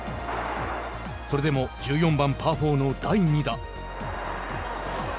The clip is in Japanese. それでも１４番パー４の第２打。